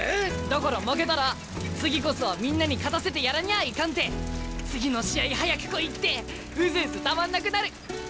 だから負けたら次こそはみんなに勝たせてやらにゃあいかんて次の試合早く来いってウズウズたまんなくなる！